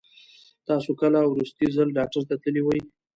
تاسو کله وروستی ځل ډاکټر ته تللي وئ؟